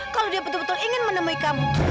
kalau dia betul betul ingin menemui kamu